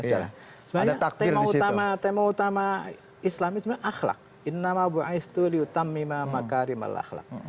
sebenarnya tema utama islam ini sebenarnya akhlak